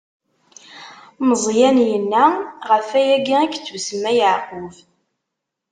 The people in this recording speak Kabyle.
Meẓyan yenna: Ɣef wayagi i yettusemma Yeɛqub!